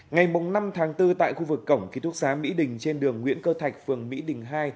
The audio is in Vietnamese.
ngày năm tháng bốn tại khu vực cổng ký thúc xá mỹ đình trên đường nguyễn cơ thạch phường mỹ đình hai